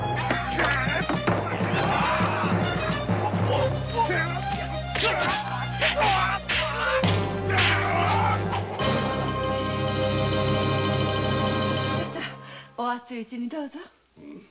お熱いうちにどうぞ。